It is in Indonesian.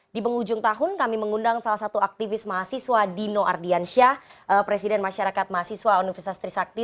di penghujung tahun kami mengundang salah satu aktivis mahasiswa dino ardiansyah presiden masyarakat mahasiswa universitas trisakti